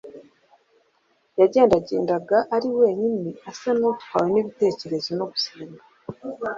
Yagendagendaga ari wenyine, asa n'uwatwawe n'ibitekerezo no gusenga;